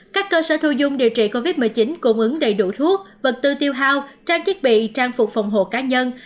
các cơ sở thu dung điều trị covid một mươi chín cung ứng đầy đủ thuốc vật tư tiêu hao trang thiết bị trang phục phòng hộ cá nhân